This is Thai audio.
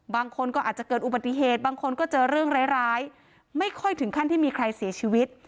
บางคนก็อาจจะเกิดอุบัติเหตุบางคนก็เจอเรื่องร้ายไม่ค่อยถึงขั้นที่มีใครเสียชีวิต